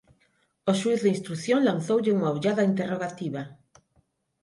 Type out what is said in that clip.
O xuíz de instrución lanzoulle unha ollada interrogativa.